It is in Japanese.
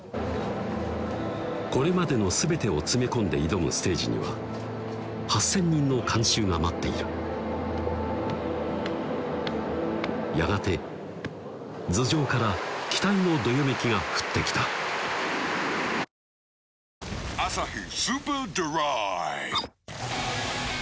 これまでの全てを詰め込んで挑むステージには８０００人の観衆が待っているやがて頭上から期待のどよめきが降ってきた「今なんじゃない？